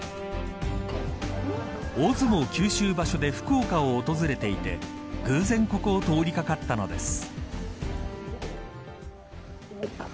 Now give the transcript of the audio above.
大相撲九州場所で福岡を訪れていて偶然ここを通りかかったのです。